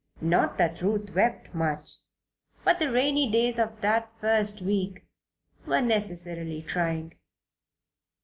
Not that Ruth wept much. But the rainy days of that first week were necessarily trying.